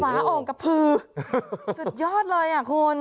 โอ่งกระพือสุดยอดเลยอ่ะคุณ